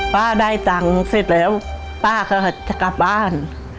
ป้าได้ตังค์เสร็จแล้วป้าก็จะกลับบ้าน